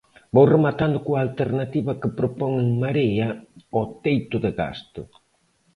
Vou rematando coa alternativa que propón En Marea ao teito de gasto.